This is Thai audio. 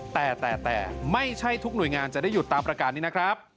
แต่แต่ไม่ใช่ทุกหน่วยงานจะได้หยุดตามประกาศนี้นะครับ